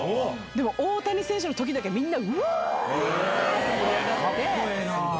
でも大谷選手のときだけ、みんな、かっこええな。